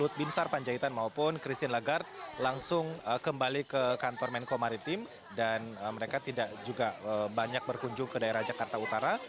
luhut bin sar panjaitan maupun christine lagarde langsung kembali ke kantor menko maritim dan mereka tidak juga banyak berkunjung ke daerah jakarta utara